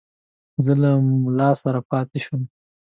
زه له مُلا سره پاته شوم.